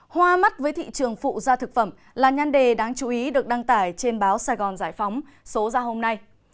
hoa mắt với thị trường phụ gia thực phẩm là nhan đề đáng chú ý được đăng tải trên báo sài gòn giải phóng số ra hôm nay